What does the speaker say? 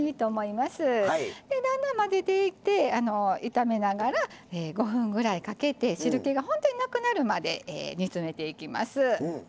だんだん混ぜていって炒めながら５分ぐらいかけて汁けが本当になくなるまで煮詰めていきます。